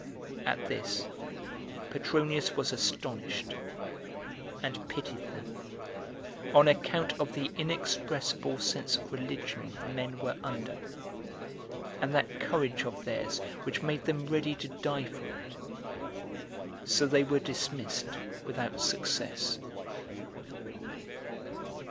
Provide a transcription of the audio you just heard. At this Petronius was astonished, and pitied them, on account of the inexpressible sense of religion the men were under, and that courage of theirs which made them ready to die for it; so they were dismissed without success.